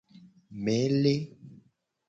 Mele.